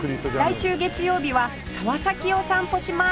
来週月曜日は川崎を散歩します